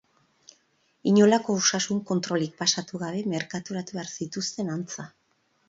Inolako osasun kontrolik pasatu gabe merkaturatu behar zituzten, antza.